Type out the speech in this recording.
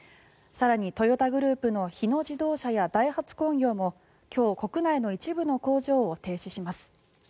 更にトヨタグループの日野自動車やダイハツ工業も今日、国内の一部の工場を停止します。